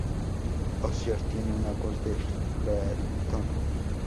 Hozier tiene una voz de barítono.